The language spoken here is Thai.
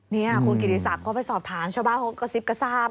นี่คุณกิติศักดิ์ก็ไปสอบถามชาวบ้านเขากระซิบกระซาบ